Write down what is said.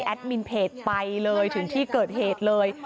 มินเพจไปเลยถึงที่เกิดเหตุเลย